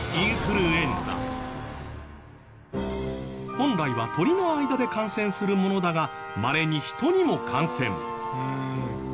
本来は鳥の間で感染するものだがまれに人にも感染。